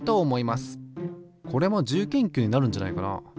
これも自由研究になるんじゃないかな？